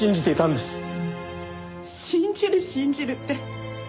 信じる信じるって。